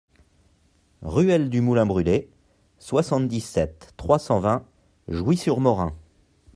Ruelle du Moulin Brulé, soixante-dix-sept, trois cent vingt Jouy-sur-Morin